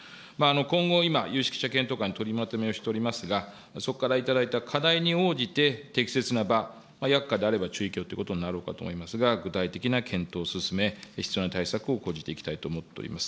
今後、今、有識者検討会の取りまとめをしておりますが、そこからいただいた課題に応じて、適切な場、薬価であれば中医協ということになろうかと思いますが、具体的な検討を進め、必要な対策を講じていきたいと思っております。